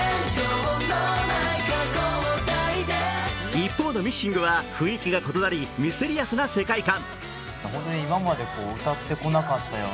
一方の「Ｍｉｓｓｉｎｇ」は雰囲気が異なりミステリアスな世界観。